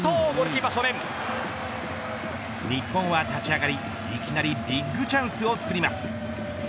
日本は立ち上がり、いきなりビッグチャンスをつくります